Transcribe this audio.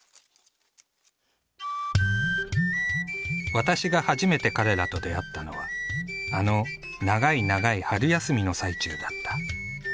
「ワタシ」が初めて彼らと出会ったのはあの長い長い春休みの最中だった。